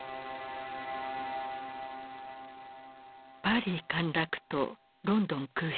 パリ陥落とロンドン空襲。